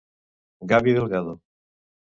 Gabi Delgado: